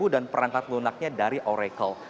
dan perangkat lunaknya dari oracle